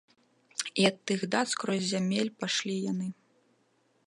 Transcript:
І ад тых дат скрозь зямель пайшлі яны.